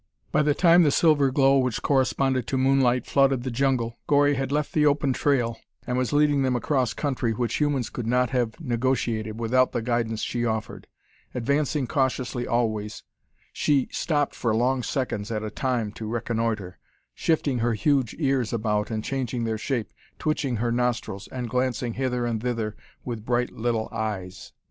By the time the silver glow which corresponded to moonlight flooded the jungle, Gori had left the open trail, and was leading them across country which humans could not have negotiated without the guidance she offered. Advancing cautiously always, she stopped for long seconds at a time to reconnoitre, shifting her huge ears about and changing their shape, twitching her nostrils, and glancing hither and thither with bright little eyes.